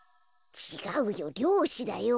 ちがうよりょうしだよ。